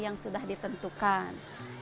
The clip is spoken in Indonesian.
yang sudah ditentukan